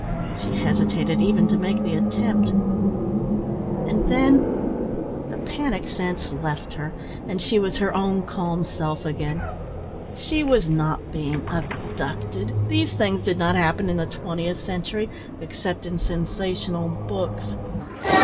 She hesitated even to make the attempt; and then the panic sense left her, and she was her own calm self again. She was not being abducted. These things did not happen in the twentieth century, except in sensational books.